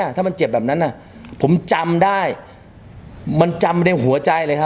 ถ้ามันเจ็บแบบนั้นผมจำได้มันจำในหัวใจเลยครับ